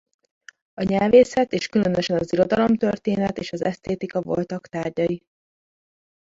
A nyelvészet és különösen az irodalomtörténet és az esztétika voltak tárgyai.